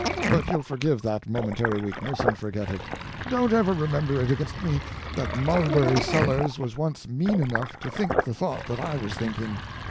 But you'll forgive that momentary weakness, and forget it. Don't ever remember it against me that Mulberry Sellers was once mean enough to think the thought that I was thinking.